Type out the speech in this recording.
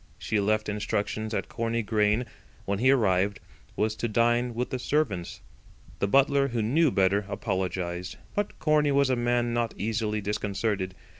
She left instructions that Corney Grain when he arrived was to dine with the servants. The butler, who knew better, apologised; but Corney was a man not easily disconcerted.